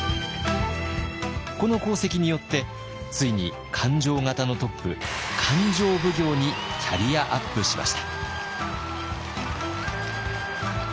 この功績によってついに勘定方のトップ勘定奉行にキャリアアップしました。